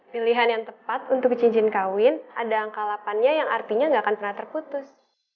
pilihan yang tepat untuk cincin kawin ada angka lapannya yang artinya nggak akan pernah terputus